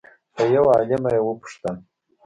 له یو عالمه یې وپوښتل